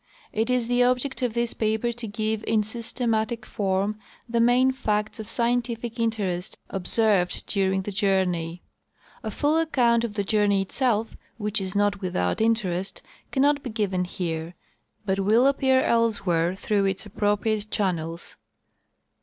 It is the object of this paper to give in systematic form the main facts of scientific interest observed during the journey. A full account of the journey itself, which is not without interest, can not be given here, but will appear elsewhere through its appro priate channels.